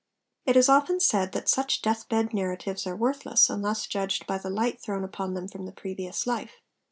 It is often said that such death bed narratives are worthless, unless judged by the light thrown upon them from the previous life.